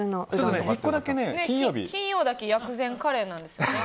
金曜だけ薬膳カレーなんですね。